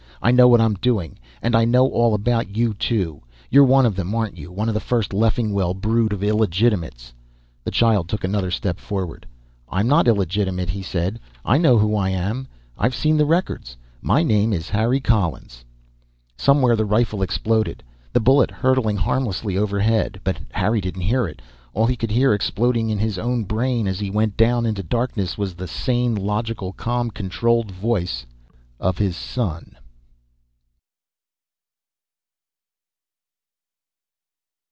"I know what I'm doing. And I know all about you, too. You're one of them, aren't you? One of the first of Leffingwell's brood of illegitimates." The child took another step forward. "I'm not illegitimate," he said. "I know who I am. I've seen the records. My name is Harry Collins." Somewhere the rifle exploded, the bullet hurtling harmlessly overhead. But Harry didn't hear it. All he could hear, exploding in his own brain as he went down into darkness, was the sane, logical, calm, controlled voice of his son.